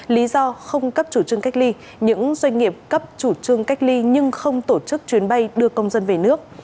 lý do không cấp chủ trương cách ly những doanh nghiệp cấp chủ trương cách ly nhưng không tổ chức chuyến bay đưa công dân về nước